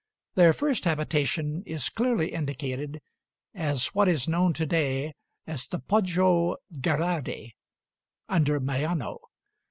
Their first habitation is clearly indicated as what is known to day as the Poggio Gherardi, under Maiano.